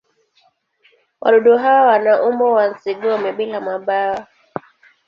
Wadudu hawa wana umbo wa nzi-gome bila mabawa.